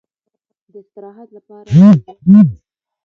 د استراحت لپاره دېره شولو.